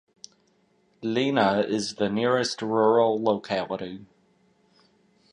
Lena is the nearest rural locality.